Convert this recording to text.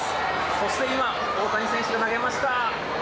そして今、大谷選手が投げました。